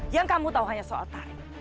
yang kamu tahu hanya soal tari